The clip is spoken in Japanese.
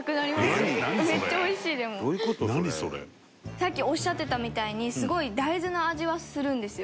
さっきおっしゃってたみたいにすごい大豆の味はするんですよ。